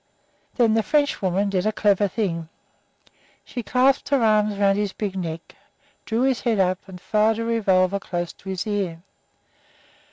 Then the Frenchwoman did a clever thing: she clasped her arms around his big neck, drew his head up, and fired her revolver close to his ear.